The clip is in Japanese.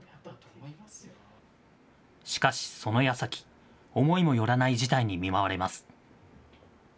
しかし、そのやさき、思いもよらない事態に見舞われます。